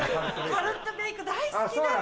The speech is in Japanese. カルッテベイク大好きなの！